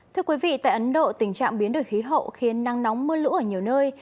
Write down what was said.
thưa quý vị tại ấn độ tình trạng biến đổi khí hậu khiến năng nóng mưa lũ ở nhiều nơi